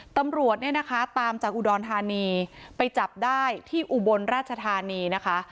ตำรวจเนี่ยนะคะตามจากอุดรธานีไปจับได้ที่อุบลราชธานีนะคะ